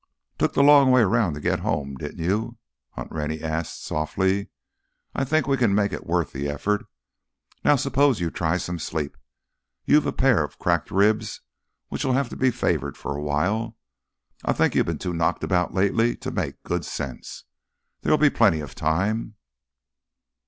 "Took the long way around to get home, didn't you?" Hunt Rennie asked softly. "I think we can make it worth the effort. Now, suppose you try some sleep—you've a pair of cracked ribs which'll have to be favored for a while. I think you've been too knocked about lately to make good sense. There'll be plenty of time."